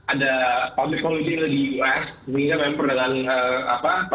ada public community lagi di us sehingga memang perdagangan